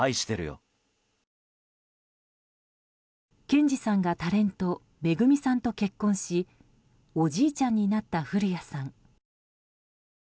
建志さんが、タレントＭＥＧＵＭＩさんと結婚しおじいちゃんになった古谷さん。